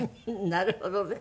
なるほどね。